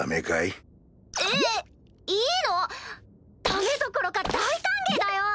ダメどころか大歓迎だよ！